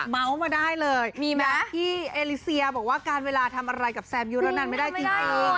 เมาส์มาได้เลยมีไหมที่เอลิเซียบอกว่าการเวลาทำอะไรกับแซมยุระนันไม่ได้จริง